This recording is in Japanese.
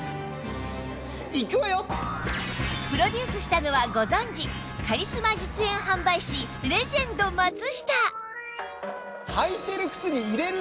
プロデュースしたのはご存じカリスマ実演販売士レジェンド松下